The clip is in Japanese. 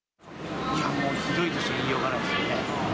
ひどいとしか言いようがないですね。